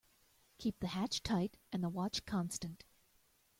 Keep the hatch tight and the watch constant.